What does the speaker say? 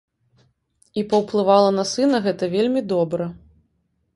І паўплывала на сына гэта вельмі добра.